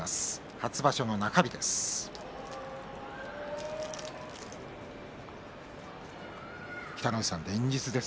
初場所の中日です。